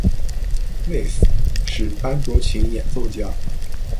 Weiss 是班卓琴演奏家。